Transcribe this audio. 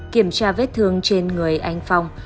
kiểm tra vết thương trên người anh phong